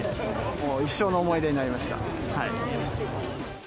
もう一生の思い出になりました。